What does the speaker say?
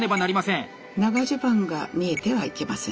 長襦袢が見えてはいけません。